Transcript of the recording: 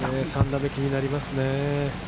３打目、気になりますね。